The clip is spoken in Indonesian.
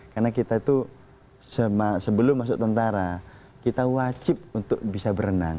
karena kita itu sebelum masuk tentara kita wajib untuk bisa berenang